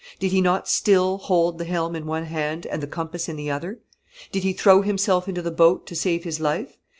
Did he not still hold the helm in one hand, and the compass in the other? Did he throw himself into the boat to save his life?